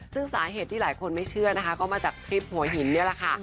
ซึ่งสาเหตุที่หลายคนไม่เชื่อนะคะก็มาจากคลิปหัวหินนี่แหละค่ะ